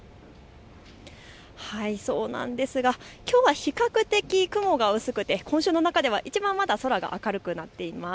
そうなんですが、きょうは比較的雲が薄くて、今週の中ではいちばん空が明るくなっています。